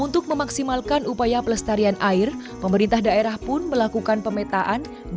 untuk memaksimalkan upaya pelestarian air pemerintah daerah pun melakukan pemetaan